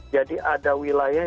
jadi ada wilayahnya